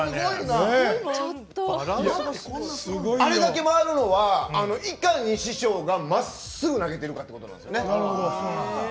あれだけ回るのはいかに師匠がまっすぐ投げてるかってことですね。